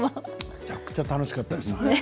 めちゃくちゃ楽しかったです。